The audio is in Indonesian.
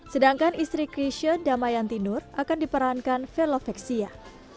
sedangkan istri grisha damayanti nur akan diperankan fellow veksia